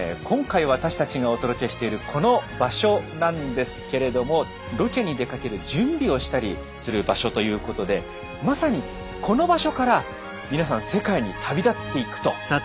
今回私たちがお届けしているこの場所なんですけれどもロケに出かける準備をしたりする場所ということでまさにこの場所から皆さん世界に旅立っていくと。